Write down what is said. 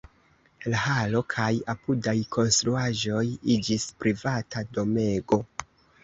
La halo kaj apudaj konstruaĵoj iĝis privata domego.